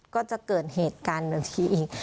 ก็จะเกิดเหตุการณ์หนึ่งทีอีก